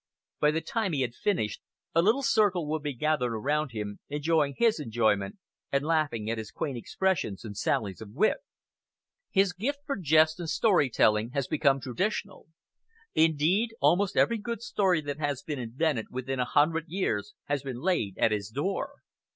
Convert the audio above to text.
By the time he had finished a little circle would be gathered around him, enjoying his enjoyment, and laughing at his quaint expressions and sallies of wit. His gift for jest and story telling has become traditional. Indeed, almost every good story that has been invented within a hundred years has been laid at his door.